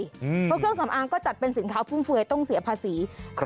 เพราะเครื่องสำอางก็จัดเป็นสินค้าฟุ่มเฟือยต้องเสียภาษี